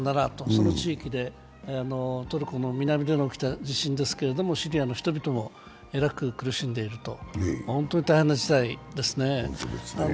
その地域でトコルの南での地震ですけれども、シリアの人々もえらく苦しんでいると本当に大変な事態ですね。